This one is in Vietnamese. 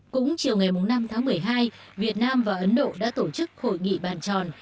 cũng chiều ngày năm tháng một mươi hai việt nam và ấn độ đã tổ chức hội nghị bàn tròn